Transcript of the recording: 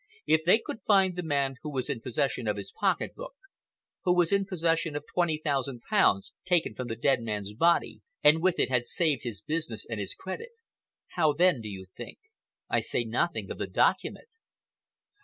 If they could find the man who was in possession of his pocket book, who was in possession of twenty thousand pounds taken from the dead man's body and with it had saved his business and his credit, how then, do you think? I say nothing of the document."